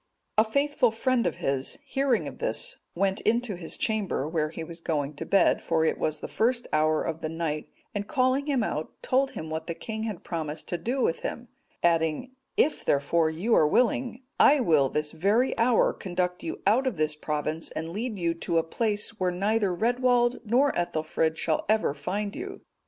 A faithful friend of his, hearing of this, went into his chamber, where he was going to bed, for it was the first hour of the night; and calling him out, told him what the king had promised to do with him, adding, "If, therefore, you are willing, I will this very hour conduct you out of this province, and lead you to a place where neither Redwald nor Ethelfrid shall ever find you."